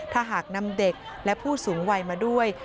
ถ้าหากนำเด็กและผู้สูงวัยมาด้วย